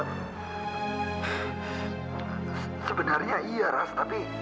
oh iya syukur allah alhamdulillah oh iya riz rencananya siang ini aku mau ikut kamila sudah sadar dari komanya